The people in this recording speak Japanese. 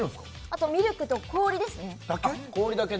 あとミルクと氷ですねだけ？